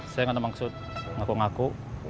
saya nggak ada maksud ngaku ngaku